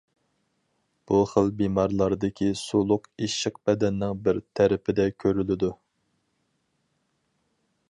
بۇ خىل بىمارلاردىكى سۇلۇق ئىششىق بەدەننىڭ بىر تەرىپىدە كۆرۈلىدۇ.